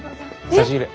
差し入れ。